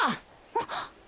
あっ。